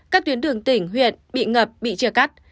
các tuyến đường tỉnh huyện bị ngập bị chia cắt